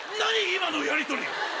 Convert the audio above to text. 今のやりとり！